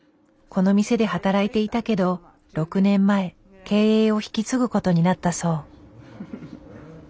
この店で働いていたけど６年前経営を引き継ぐことになったそう。